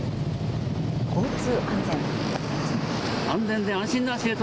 交通安全。